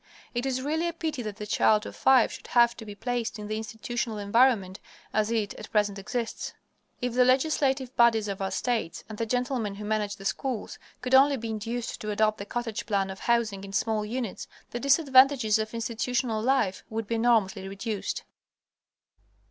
It is really a pity that the child of five should have to be placed in the institutional environment as it at present exists. If the legislative bodies of our states, and the gentlemen who manage the schools, could only be induced to adopt the cottage plan of housing in small units, the disadvantages of institutional life would be enormously reduced.